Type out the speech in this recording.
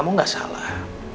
ya kamu gak salah